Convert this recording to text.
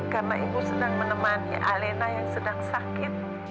karena ibu sedang menemani alena yang sedang sakit